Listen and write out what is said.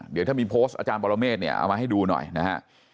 เดี๋ยวถ้ามีโพสต์อาจารย์ปรเมฆเนี่ยเอามาให้ดูหน่อยนะฮะ